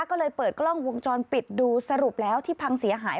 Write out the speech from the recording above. ก็เลยเปิดกล้องวงจรปิดดูสรุปแล้วที่พังเสียหาย